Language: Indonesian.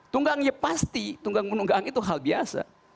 tunggang ya pasti tunggang menunggang itu hal biasa